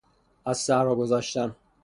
از صحرا گذشتن